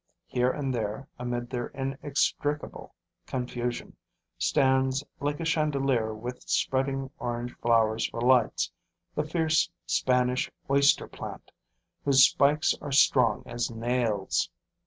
Here and there, amid their inextricable confusion, stands, like a chandelier with spreading, orange flowers for lights, the fierce Spanish oyster plant, whose spikes are strong as nails.